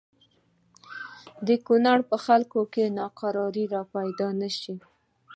د کونړ په خلکو کې ناکراری را پیدا نه شي.